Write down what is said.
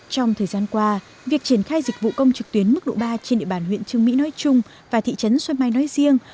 trong thời gian qua việc triển khai dịch vụ công trực tuyến mức độ ba trên địa bàn huyện trương mỹ nói chung và thị trấn xoay mai nói riêng